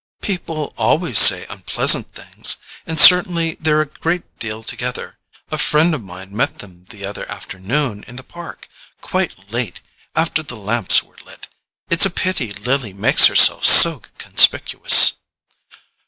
"People always say unpleasant things—and certainly they're a great deal together. A friend of mine met them the other afternoon in the Park—quite late, after the lamps were lit. It's a pity Lily makes herself so conspicuous."